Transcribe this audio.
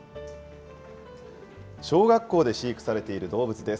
小学校で飼育されている動物です。